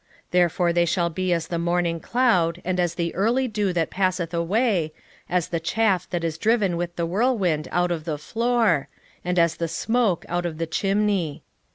13:3 Therefore they shall be as the morning cloud and as the early dew that passeth away, as the chaff that is driven with the whirlwind out of the floor, and as the smoke out of the chimney.